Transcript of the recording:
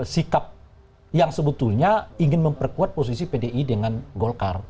sikap yang sebetulnya ingin memperkuat posisi pdi dengan golkar